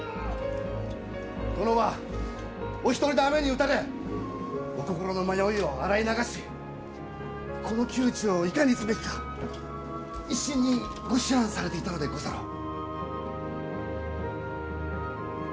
殿は、お一人で雨に打たれお心の迷いを洗い流しこの窮地を、いかにすべきか一心にご思案されていたのでござろう？